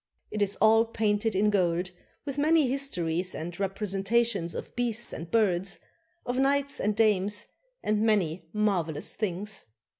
It is all painted in gold, with many histories and representations of beasts and birds, of knights and dames, and many marvelous things.